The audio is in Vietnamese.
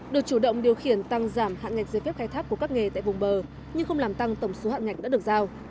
được chủ động điều khiển tăng giảm hạn ngạch giấy phép khai thác của các nghề tại vùng bờ nhưng không làm tăng tổng số hạn ngạch đã được giao